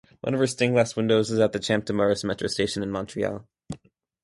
One of her stained-glass windows is at Champ-de-Mars metro station in Montreal.